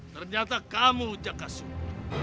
ternyata kamu jakasupa